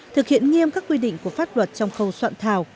thực hiện nghiêm các quy định của pháp luật trong khâu soạn thảo